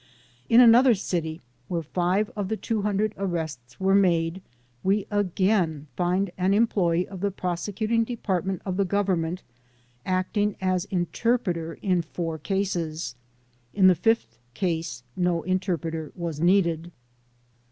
In another city where 5 of the 200 arrests were made we again find an employee of the prosecuting department of the gov ernment acting as interpreter in 4 cases. In the fifth case no interpreter was needed.